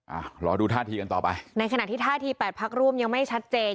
อ่ารอดูท่าทีกันต่อไปในขณะที่ท่าทีแปดพักร่วมยังไม่ชัดเจน